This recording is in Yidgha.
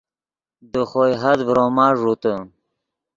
دے خوئے حد ڤروما ݱوتے